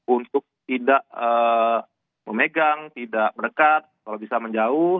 untuk tidak memegang tidak berdekat kalau bisa menjauh